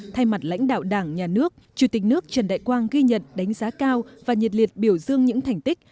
thay mặt lãnh đạo đảng nhà nước chủ tịch nước trần đại quang ghi nhận đánh giá cao và nhiệt liệt biểu dương những thành tích